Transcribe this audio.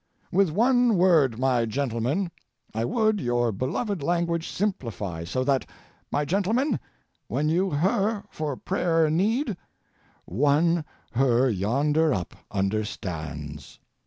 With one word, my gentlemen, I would your beloved language simplify so that, my gentlemen, when you her for prayer need, One her yonder up understands.